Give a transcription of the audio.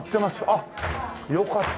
あっよかった。